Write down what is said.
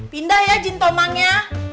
pindah ya jin tomangnya